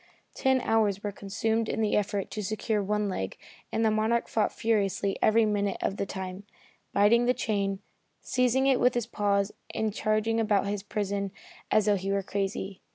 Ten hours were consumed in the effort to secure one leg and the Monarch fought furiously every minute of the time, biting the chain, seizing it with his paws and charging about in his prison as though he were crazy.